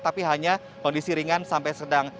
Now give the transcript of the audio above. tapi hanya kondisi ringan sampai sedang